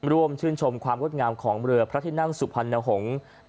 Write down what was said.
ร่วมชื่นชมความงดงามของเรือพระที่นั่งสุพรรณหงษ์